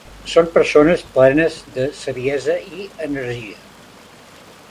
Són persones plenes de saviesa i energia.